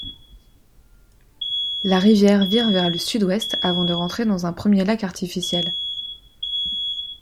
La rivière vire vers le sud-ouest avant de rentrer dans un premier lac artificiel.